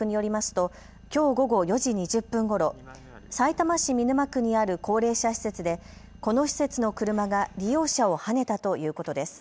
ときょう午後４時２０分ごろさいたま市見沼区にある高齢者施設でこの施設の車が利用者をはねたということです。